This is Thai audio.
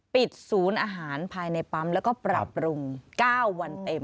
ศูนย์อาหารภายในปั๊มแล้วก็ปรับปรุง๙วันเต็ม